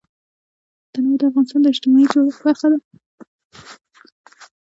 تنوع د افغانستان د اجتماعي جوړښت برخه ده.